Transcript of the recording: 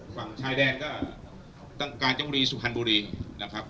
ฝั่งชายแดนก็ตั้งการจังหวีสุฮันต์บุรีนะครับ